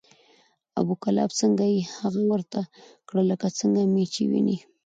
ابو کلاب څنګه یې؟ هغه ورته کړه لکه څنګه مې چې وینې،